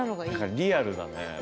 何かリアルだね。